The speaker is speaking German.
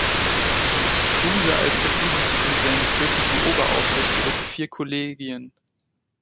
Kruse als Regierungspräsident führte die Oberaufsicht über die vier Kollegien.